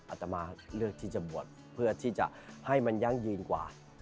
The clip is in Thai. อาตมาเลือกที่จะบวชเพื่อที่จะให้มันยั่งยืนกว่า